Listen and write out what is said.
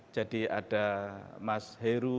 jadi ada mas heru